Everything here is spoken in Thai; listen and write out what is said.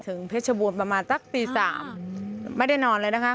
เพชรบูรณ์ประมาณสักตี๓ไม่ได้นอนเลยนะคะ